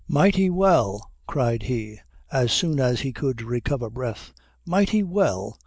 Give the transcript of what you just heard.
"Mighty well!" cried he, as soon as he could recover breath, "mighty well!